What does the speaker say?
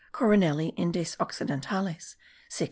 Coronelli, Indes occidentales, 1689.)